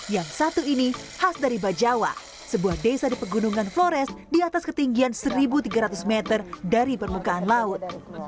yang satu ini khas dari bajawa sebuah desa di pegunungan flores di atas ketinggian satu tiga ratus meter dari permukaan laut